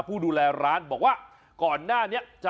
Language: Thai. มันเขิบ